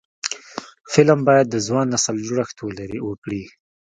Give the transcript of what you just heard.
فلم باید د ځوان نسل جوړښت وکړي